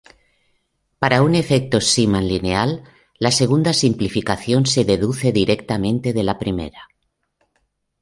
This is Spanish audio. Para un efecto Zeeman lineal, la segunda simplificación se deduce directamente de la primera.